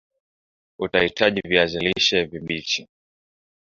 utahitajia Viazi lishe vibichi